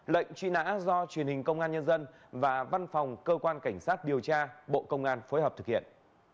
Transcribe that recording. lệnh truy nã do truyền hình công an nhân dân và văn phòng cơ quan cảnh sát điều tra bộ công an phối hợp thực hiện